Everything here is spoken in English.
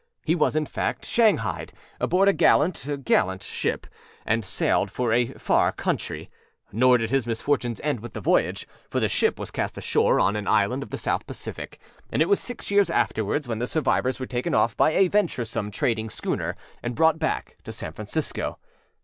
He was in fact âshanghaiedâ aboard a gallant, gallant ship, and sailed for a far countree. Nor did his misfortunes end with the voyage; for the ship was cast ashore on an island of the South Pacific, and it was six years afterward when the survivors were taken off by a venturesome trading schooner and brought back to San Francisco.